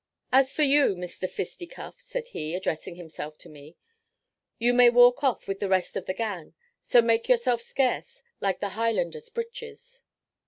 "As for you, Mr Fistycuff," said he, addressing himself to me, "you may walk off with the rest of the gang, so make yourself scarce, like the Highlander's breeches."